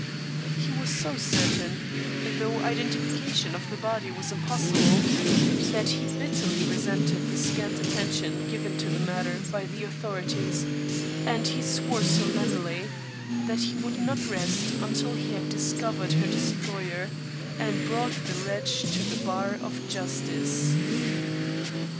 He was so certain though identification of the body was impossible that he bitterly resented the scant attention given the matter by the authorities, and he swore solemnly that he would not rest until he had discovered her destroyer and brought the wretch to the bar of justice.